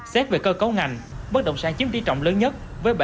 xét về cơ cấu ngành bất động sản chiếm tỷ trọng lớn nhất